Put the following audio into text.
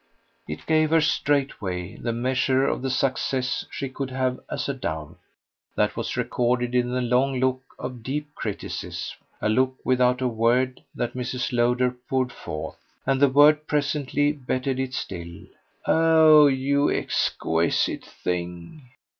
It gave her straightway the measure of the success she could have as a dove: that was recorded in the long look of deep criticism, a look without a word, that Mrs. Lowder poured forth. And the word, presently, bettered it still. "Oh you exquisite thing!"